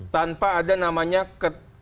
tanpa ada namanya ketua